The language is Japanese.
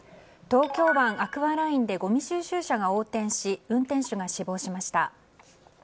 東京湾アクアラインでごみ収集車が横転し運転手が死亡しました。